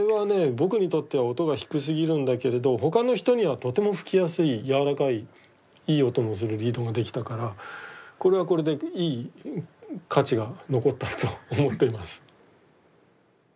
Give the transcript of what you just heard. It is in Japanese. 僕にとっては音が低すぎるんだけれどほかの人にはとても吹きやすい柔らかいいい音のするリードが出来たからこれはこれでいい価値が残ったと思っています。